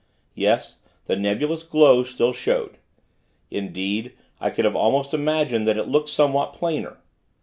Yes, the nebulous glow still showed. Indeed, I could have almost imagined that it looked somewhat plainer.